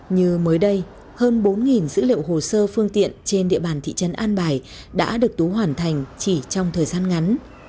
như mới đây hơn bốn dữ liệu hồ sơ phương tiện trên địa bàn thị trấn an bài đã được tú hoàn thành chỉ trong thời gian ngắn